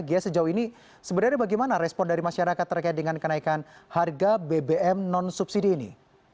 gia sejauh ini sebenarnya bagaimana respon dari masyarakat terkait dengan kenaikan harga bbm non subsidi ini